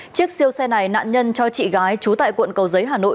chiếc siêu xe này nạn nhân cho chị gái trú tại quận cầu giấy hà nội